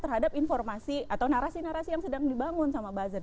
terhadap informasi atau narasi narasi yang sedang dibangun sama buzzer